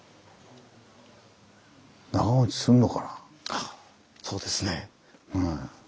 ああそうですね。